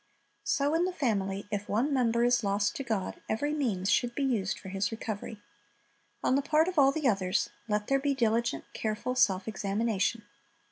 So in the family, if one member is lost to God, every means should be used for his recovery. On the part of all the others, let there be diligent, careful self examination.